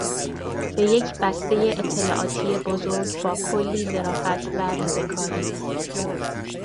به یک بستهٔ اطلاعاتی بزرگ با کلی ظرافت و ریزهکاری